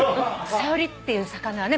サヨリっていう魚はね